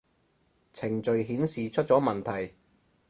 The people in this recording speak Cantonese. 程序顯示出咗問題